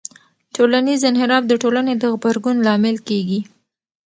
ټولنیز انحراف د ټولنې د غبرګون لامل کېږي.